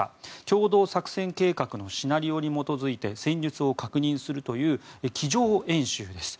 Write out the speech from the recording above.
共同作戦計画のシナリオに基づいて戦術を確認するという机上演習です。